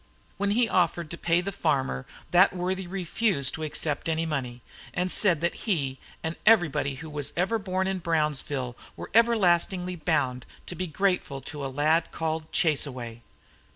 When he offered to pay the farmer that worthy refused to accept any money, and said he and everybody who was ever born in Brownsville were everlastingly bound to be grateful to a lad called Chaseaway.